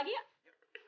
boleh bantuin gak